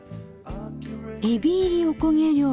えび入りおこげ料理。